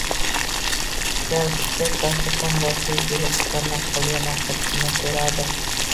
Ishlar bitgach, dasturxon boshiga kelib ukamdan qolgan ovqatnigina ko'rardim.